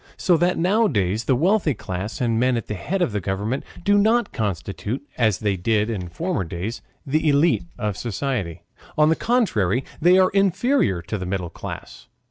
So that nowadays the wealthy class and men at the head of government do not constitute, as they did in former days, the ÉLITE of society; on the contrary, they are inferior to the middle class.